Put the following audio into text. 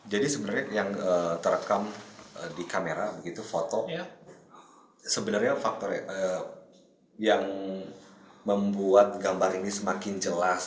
jadi sebenarnya yang terekam di kamera foto sebenarnya faktor yang membuat gambar ini semakin jauh